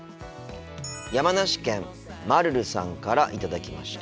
山梨県まるるさんから頂きました。